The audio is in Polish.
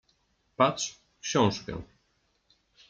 Patrz w książkę.